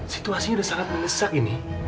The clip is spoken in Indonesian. situasinya udah sangat menyesak ini